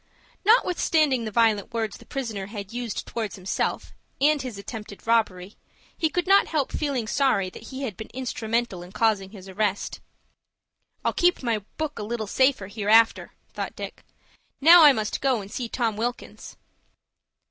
Notwithstanding the violent words the prisoner had used towards himself, and his attempted robbery, he could not help feeling sorry that he had been instrumental in causing his arrest. "I'll keep my book a little safer hereafter," thought Dick. "Now I must go and see Tom Wilkins."